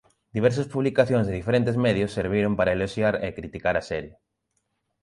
Diversas publicacións de diferentes medios serviron para eloxiar e criticar a serie.